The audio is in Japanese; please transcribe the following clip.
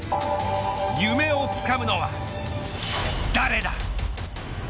夢をつかむのは誰だ。